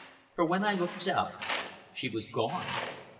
For when I looked up, she was gone!